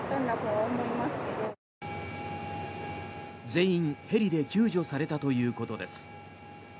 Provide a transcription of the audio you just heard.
全員ヘリで救助されたということです。